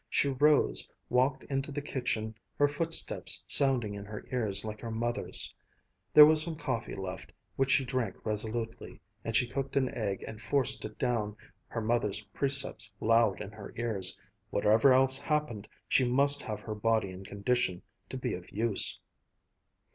She rose, walked into the kitchen, her footsteps sounding in her ears like her mother's. There was some coffee left, which she drank resolutely, and she cooked an egg and forced it down, her mother's precepts loud in her ears. Whatever else happened, she must have her body in condition to be of use.